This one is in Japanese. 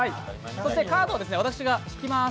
そしてカードは私が引きます。